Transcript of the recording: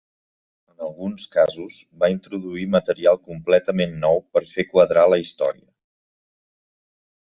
En alguns casos, va introduir material completament nou per fer quadrar la història.